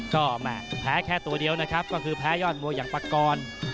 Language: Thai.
ก็แม่แพ้แค่ตัวเดียวนะครับก็คือแพ้ยอดมวยอย่างปากร